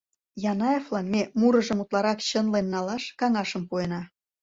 Янаевлан ме мурыжым утларак чынлен налаш каҥашым пуэна.